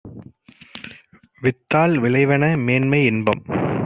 வித்தால் விளைவன மேன்மை, இன்பம்!